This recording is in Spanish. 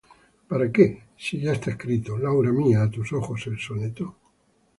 ¿Para qué, si ya está escrito, Laura mía, a tus ojos el soneto?